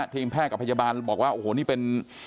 ทีมแพทย์กับพยาบาลบอกว่าโอ้โหนี่เป็น